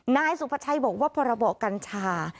นายสุภาชัยบอกว่าพรบกัญชา